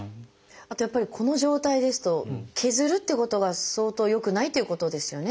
あとやっぱりこの状態ですと削るっていうことが相当よくないということですよね？